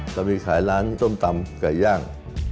เราก็มีขายร้านต้มตำก๋วย่าง